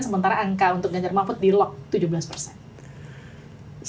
sementara angka untuk ganjar mahfud di lock tujuh belas persen